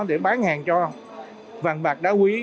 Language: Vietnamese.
để bán hàng cho vàng bạc đá quý